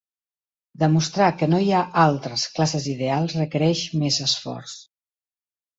Demostrar que no hi ha "altres" classes ideals requereix més esforç.